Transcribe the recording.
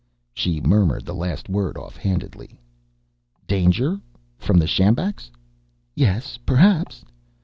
She murmured the last word off handedly. "Danger? From the sjambaks?" "Yes, perhaps."